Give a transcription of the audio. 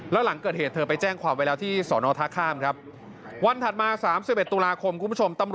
แล้วหลังเกิดเหตุเธอไปแจ้งความไปแล้วที่สอนอทศาสตร์ข้ามครับ